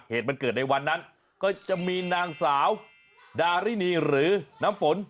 เหตุมันเกิดในวันนั้นก็จะมีนางสาวดารินีหรือน้ำฝน